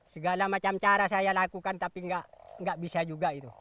segala macam cara saya lakukan tapi nggak bisa juga itu